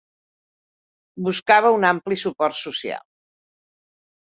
Buscava un ampli suport social.